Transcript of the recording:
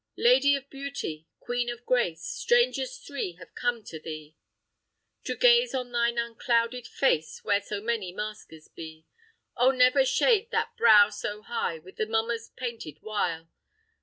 "Lady of beauty, queen of grace, Strangers three have come to thee, To gaze on thine unclouded face, Where so many maskers be. Oh! never shade that brow so high With the mummers' painted wile.